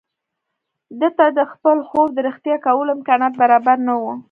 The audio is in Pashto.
ده ته د خپل خوب د رښتيا کولو امکانات برابر نه وو.